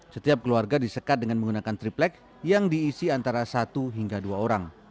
setiap keluarga disekat dengan menggunakan triplek yang diisi antara satu hingga dua orang